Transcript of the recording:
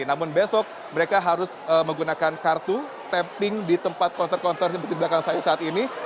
namun besok mereka harus menggunakan kartu tapping di tempat kontor kontor seperti di belakang saya saat ini